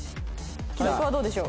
既読はどうでしょう？